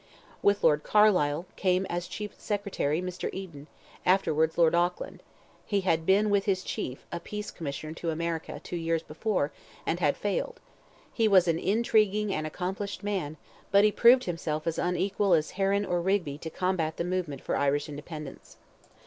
With Lord Carlisle, came, as Chief Secretary, Mr. Eden, afterwards Lord Auckland; he had been, with his chief, a peace commissioner to America, two years before, and had failed; he was an intriguing and accomplished man, but he proved himself as unequal as Heron or Rigby to combat the movement for Irish independence.